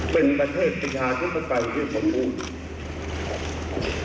เป็นประเทศปิศาสตร์ที่ประกันที่คุณพูด